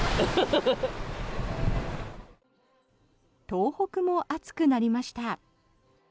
東北も暑くなりました。